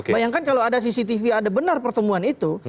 bayangkan kalau ada cctv ada benar pertemuan itu